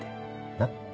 なっ。